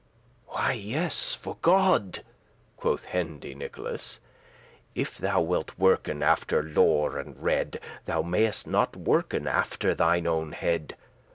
"Why, yes, for God," quoth Hendy Nicholas; "If thou wilt worken after *lore and rede*; *learning and advice* Thou may'st not worken after thine own head.